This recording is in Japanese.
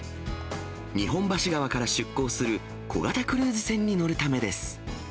日本橋川から出航する小型クルーズ船に乗るためです。